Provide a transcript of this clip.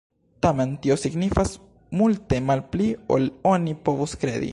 Tamen tio signifas multe malpli ol oni povus kredi.